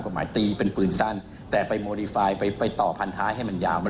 กว่าหมายตีเป็นปืนสั้นแต่ไปไปต่อพันท้ายให้มันยาวมัน